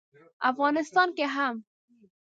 افغانستان کې هم